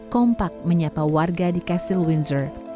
kompak menyapa warga di castle windsor